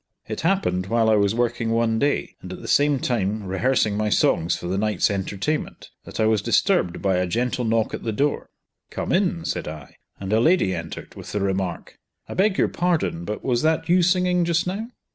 It happened while I was working one day, and at the same time rehearsing my songs for the night's entertainment, that I was disturbed by a gentle knock at the door. "Come in!" said I, and a lady entered, with the remark, "I beg your pardon, but was that you singing just now?"